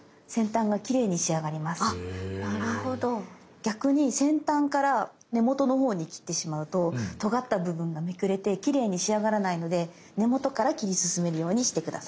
逆に先端から根元のほうに切ってしまうととがった部分がめくれてきれいに仕上がらないので根元から切り進めるようにして下さい。